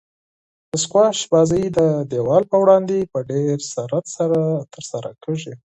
د سکواش لوبه د دیوال په وړاندې په ډېر سرعت سره ترسره کیږي.